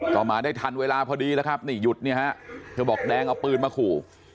ก็มาได้ทันเวลาพอดีแล้วครับนี่หยุดเนี่ยฮะเธอบอกแดงเอาปืนมาขู่